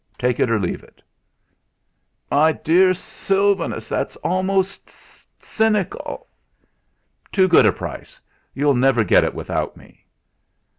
Take it or leave it." "My dear Sylvanus, that's almost cynical." "Too good a price you'll never get it without me."